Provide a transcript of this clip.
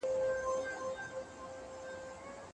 ادئب په خپلو خبرو کي حکمت لري.